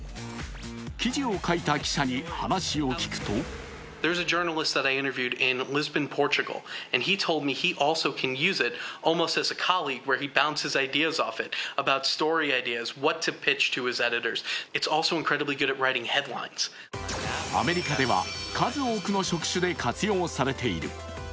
記事を書いた記者に話を聞くとアメリカでは数多くの職種で活用されている。